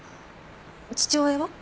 父親は？